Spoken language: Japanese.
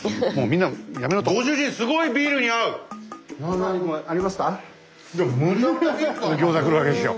スタジオギョーザ来るわけですよ。